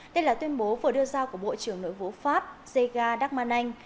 đây là tuyên bố vừa đưa ra của bộ trưởng nội vũ pháp zega dagman anh